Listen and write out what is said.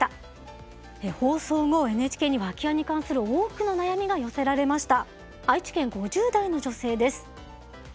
放送後ＮＨＫには空き家に関する多くの悩みが寄せられました。